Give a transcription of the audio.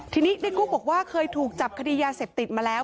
ทีนี้ในกุ๊กบอกว่าเคยถูกจับคดียาเสพติดมาแล้ว